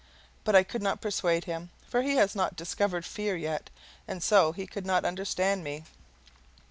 But I could not persuade him, for he has not discovered fear yet, and so he could not understand me.